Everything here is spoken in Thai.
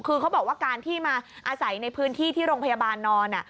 คือเขาบอกว่าการที่มาอาศัยในพื้นที่ที่โรงพยาบาลนอน